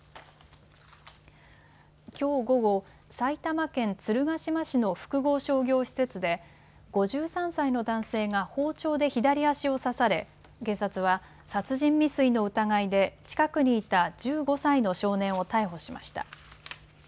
きょう午後、埼玉県鶴ヶ島市の複合商業施設で５３歳の男性が包丁で左足を刺され警察は殺人未遂の疑いで近くにいた１５歳の少年を逮捕しました。